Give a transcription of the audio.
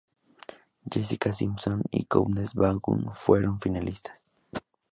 Jessica Simpson y Countess Vaughn fueron finalistas.